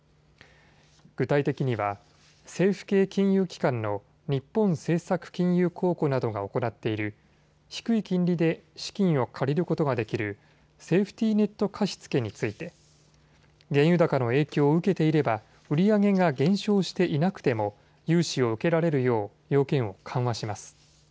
具体的には政府系金融機関の日本政策金融公庫などが行っている低い金利で資金を借りることができるセーフティネット貸付について原油高の影響を受けていれば売り上げが減少していなくても融資を受けられるよう要件を緩和します。